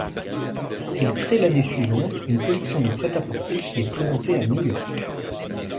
Ils créent l'année suivante une collection de prêt-à-porter qui est présentée à New York.